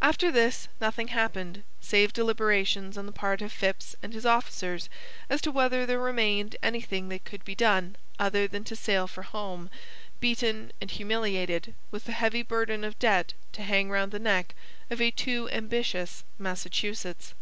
After this nothing happened, save deliberations on the part of Phips and his officers as to whether there remained anything that could be done other than to sail for home, beaten and humiliated, with a heavy burden of debt to hang round the neck of a too ambitious Massachusetts.